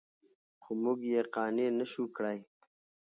خو موږ یې قانع نه شوو کړی.